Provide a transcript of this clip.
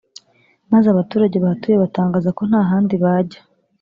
maze abaturage bahatuye batangaza ko nta handi bajya